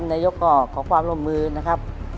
นายกก็ขอความร่วมมือนะครับ